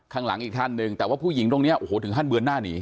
ข้างหลังอีกท่านหนึ่งแต่ว่าผู้หญิงตรงนี้โอ้โหถึงขั้นเบือนหน้าหนี